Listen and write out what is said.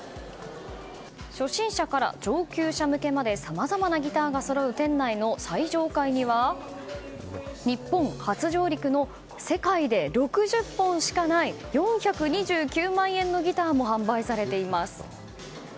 初心者から上級者向けまでさまざまなギターがそろう店内の最上階には日本初上陸の世界で６０本しかない４２９万円のギターも販売されています。